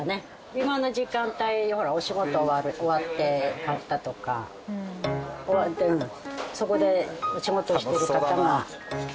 今の時間帯お仕事終わった方とか終わってそこでお仕事してる方が。